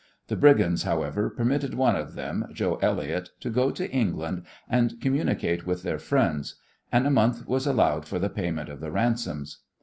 The brigands, however, permitted one of them, Joe Elliott, to go to England and communicate with their friends, and a month was allowed for the payment of the ransoms.